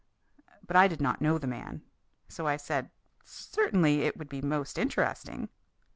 But I did not know the man. So I said: "Certainly, it would be most interesting."